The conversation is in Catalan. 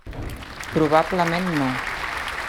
Probablement no.